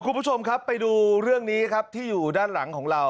คุณผู้ชมครับไปดูเรื่องนี้ครับที่อยู่ด้านหลังของเรา